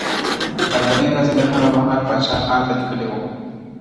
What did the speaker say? لاندنی نظم یې هغه مهال پاچا خان ته ليکلی و